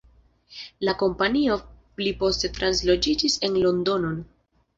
La kompanio pli poste transloĝiĝis en Londonon.